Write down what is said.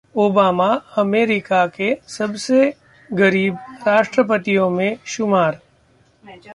Obama America के सबसे ‘गरीब’ राष्ट्रपतियों में शुमार